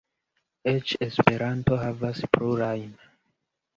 Eĉ Esperanto havas plurajn.